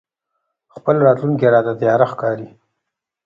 خپله راتلونکې راته تياره ښکاري.